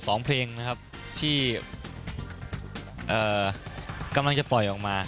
สองเพลงนะครับที่เอ่อกำลังจะปล่อยออกมา